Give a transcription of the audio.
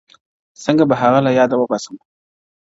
څنگه به هغه له ياده وباسم.